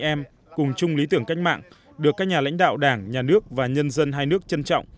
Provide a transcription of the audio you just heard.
em cùng chung lý tưởng cách mạng được các nhà lãnh đạo đảng nhà nước và nhân dân hai nước trân trọng